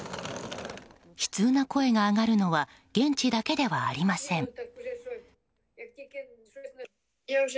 悲痛な声が上がるのは現地だけではありません。